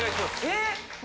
えっ。